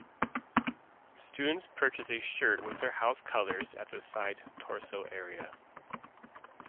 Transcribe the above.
Students purchase a shirt with their house colours at the side torso area.